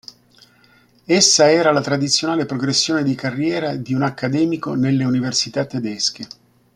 Essa era la tradizionale progressione di carriera di un accademico nelle università tedesche.